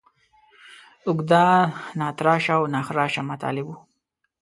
اوږده، ناتراشه او ناخراشه مطالب وو.